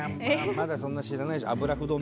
まだそんな知らないでしょ。